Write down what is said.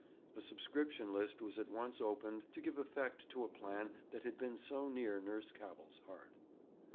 A subscription list was at once opened to give effect to a plan that had been so near Nurse Cavell's heart.